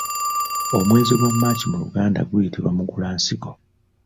Omwezi gwa March mu luganda guyitibwa Mugulansigo.